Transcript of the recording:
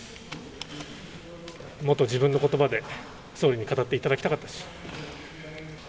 もっと自分のことばで総理に語っていただきたかったし。